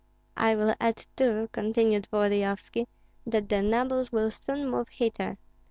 "I will add, too," continued Volodyovski, "that the nobles will soon move hither.